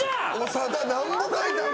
長田何ぼ書いたん？